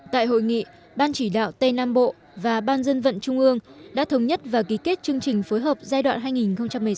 tại hội nghị ban chỉ đạo tây nam bộ và ban dân vận trung ương đã thống nhất và ký kết chương trình phối hợp giai đoạn hai nghìn một mươi sáu hai nghìn hai mươi